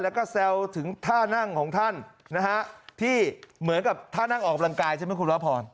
แล้วก็แซวถึงท่านั่งของท่านนะฮะที่เหมือนกับท่านั่งออกกำลังกายใช่ไหมคุณพระพร